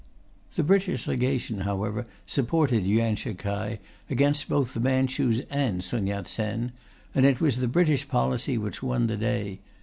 The British Legation, however, supported Yuan Shi k'ai, against both the Manchus and Sun Yat Sen; and it was the British policy which won the day.